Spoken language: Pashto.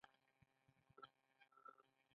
زما نوم فلانی دی او زه د جلال اباد یم.